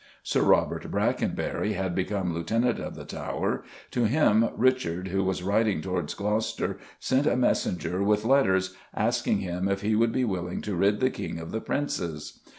Sir Robert Brackenbury had become Lieutenant of the Tower: to him Richard, who was riding towards Gloucester, sent a messenger with letters asking him if he would be willing to rid the King of the Princes.